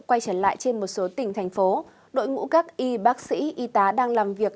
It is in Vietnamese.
quay trở lại trên một số tỉnh thành phố đội ngũ các y bác sĩ y tá đang làm việc